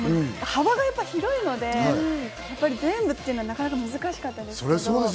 幅が広いので全部というのはなかなか難しかったんですけど。